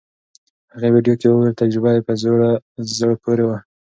هغې ویډیو کې وویل تجربه یې په زړه پورې وه.